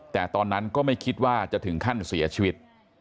แต่ตอนนั้นก็ไม่คิดว่าจะถึงขั้นเสียชีวิต